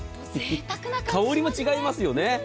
香りも違いますよね。